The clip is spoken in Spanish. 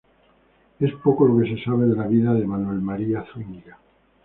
Es poco lo que se sabe de la vida de Manuel María Zúñiga.